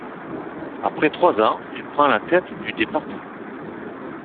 Après trois ans, il prend la tête du département.